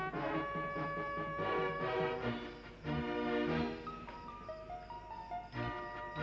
ini bergugur orang orang nyampe